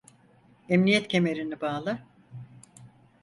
Emniyet kemerini bağla.